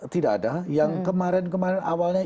tidak ada yang kemarin kemarin awalnya